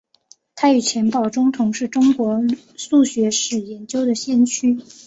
他和钱宝琮同是中国数学史研究的先驱。